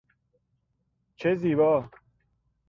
چه زیبا!